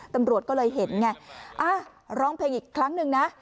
ตำรวจก็เลยเห็นไงร้องเพลงอีกครั้งหนึ่งนะ